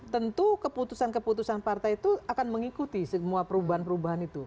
tentu keputusan keputusan partai itu akan mengikuti semua perubahan perubahan itu